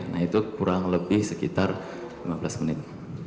nah itu kurang lebih sekitar lima belas menit